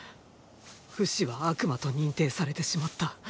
フシは悪魔と認定されてしまった。